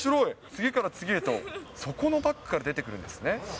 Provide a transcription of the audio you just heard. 次から次へと、そこのバッグから出てくるんですね。